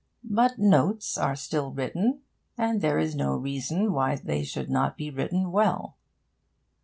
But notes are still written; and there is no reason why they should not be written well.